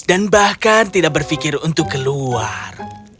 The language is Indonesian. dan bahkan tidak berpikir untuk keluar